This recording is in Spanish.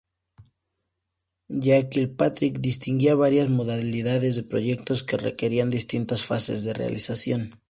Ya Kilpatrick distinguía varias modalidades de proyectos que requerían distintas fases de realización.